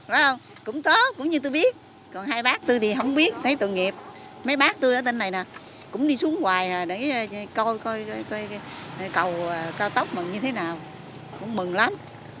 đúng không cũng tốt cũng như tôi biết còn hai bác tôi thì không biết thấy tội nghiệp mấy bác tôi ở đây này nè cũng đi xuống hoài để coi coi coi coi cầu cao tốc mừng như thế nào cũng mừng lắm